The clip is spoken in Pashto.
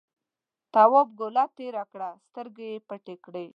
تواب گوله تېره کړه سترګې یې پټې.